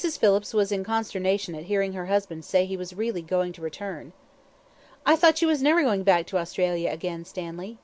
Phillips was in consternation at hearing her husband say he was really going to return. "I thought you was never going back to Australia again, Stanley.